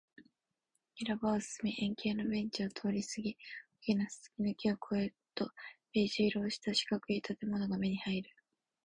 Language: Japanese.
広場を進み、円形のベンチを通りすぎ、大きな欅の木を越えると、ベージュ色をした四角い建物が目に入る